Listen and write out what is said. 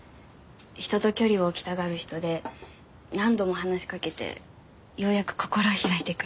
人と距離を置きたがる人で何度も話しかけてようやく心を開いてくれて。